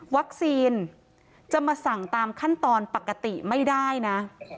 จะมาสั่งตามขั้นตอนปกติไม่ได้นะ